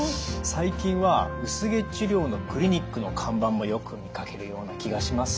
最近は薄毛治療のクリニックの看板もよく見かけるような気がします。